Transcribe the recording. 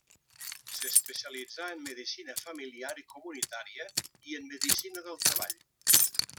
S'especialitzà en medicina familiar i comunitària i en medicina del treball.